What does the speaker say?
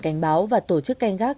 cảnh báo và tổ chức canh gác